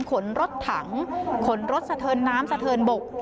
ขนรถถังขนรถสะเทินน้ำสะเทินบก